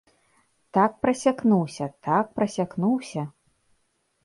Так прасякнуўся, так прасякнуўся.